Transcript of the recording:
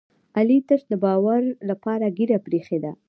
علي تش د باور لپاره ږېره پرې ایښې ده.